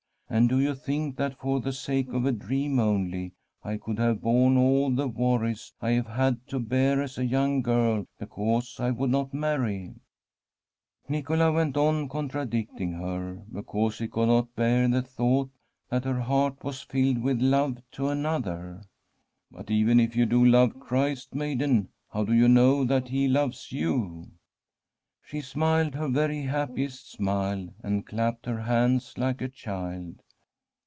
And do you think that for the sake of a dream only I could have borne all the worries I have had to bear as a young girl because I would not marry ?' Nicola went on contradicting her because he could not bear the thought that her heart was filled with love to another. ' But even if you do love Christ, maiden, how do you know that He loves you ?* She smiled her very happiest smile and clapped her hands like a child.